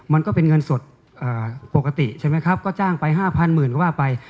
มันก็เป็นเงินสดปกติใช่ไหมครับก็จ้างไป๕๐๐หมื่นก็ว่าไป